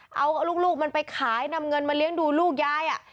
เอาลูกมันไปขายนำเงินมาเลี้ยงดูลูกยาย